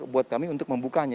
buat kami untuk membukanya